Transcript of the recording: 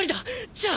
じゃあ！！